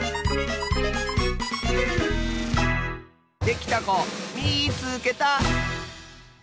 できたこみいつけた！